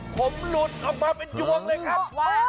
ผมหลุดออกมาเป็นยวงเลยครับ